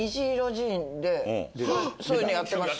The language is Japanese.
そういうのやってました。